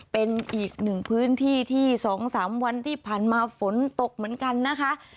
เป็นอีกหนึ่งพื้นที่ที่๒๓วันที่ผ่านมาฝนตกเหมือนกันนะคะ